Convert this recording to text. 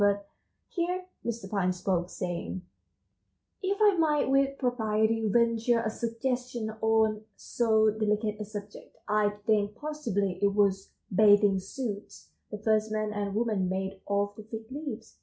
But here Mr. Pine spoke, saying: "If I might with propriety venture a suggestion on so delicate a subject, I think possibly it was bathing suits the first man and woman made of the fig leaves.